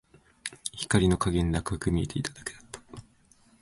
光の加減で赤く見えていただけだった